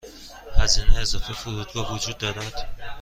هزینه اضافه فرودگاه وجود دارد.